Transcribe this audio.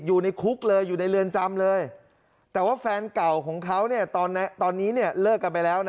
อยู่ในคุกเลยอยู่ในเรือนจำเลยแต่ว่าแฟนเก่าของเขาเนี่ยตอนนี้เนี่ยเลิกกันไปแล้วนะ